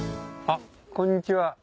あっこんにちは。